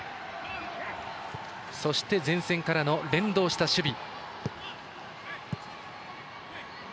そして、前線からの連動した守備。